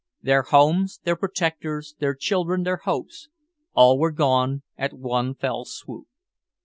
Their homes, their protectors, their children, their hopes, all were gone at one fell swoop.